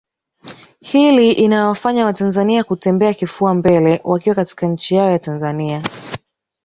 Hli inayowafanya watanzania kutembea kifua mbele wakiwa katika nchi yao ya Tanzania